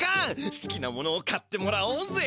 すきなものを買ってもらおうぜ！